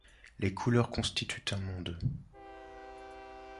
Les couleurs constituent un monde.